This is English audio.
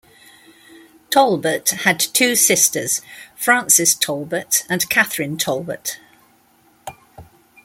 Talbot had two sisters, Frances Talbot and Catherine Talbot.